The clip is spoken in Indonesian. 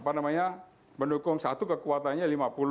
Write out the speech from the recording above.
pendukung satu kekuatannya lima puluh